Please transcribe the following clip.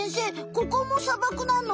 ここも砂漠なの？